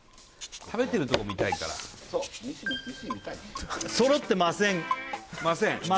食べてるとこ見たいから揃ってませんません？